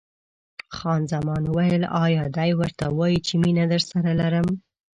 خان زمان وویل: ایا دی ورته وایي چې مینه درسره لرم؟